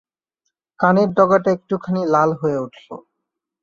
কানের ডগাটা একটুখানি লাল হয়ে উঠল।